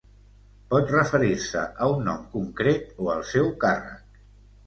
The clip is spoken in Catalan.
Pot referir-se a un nom concret o al seu càrrec.